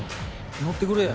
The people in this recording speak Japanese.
乗ってくれや。